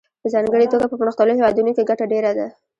په ځانګړې توګه په پرمختللو هېوادونو کې ګټه ډېره ده